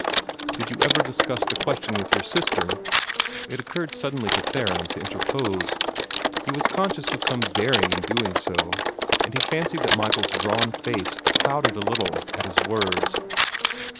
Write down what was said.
"Did you ever discuss the question with your sister?" it occurred suddenly to Theron to interpose. He was conscious of some daring in doing so, and he fancied that Michael's drawn face clouded a little at his words.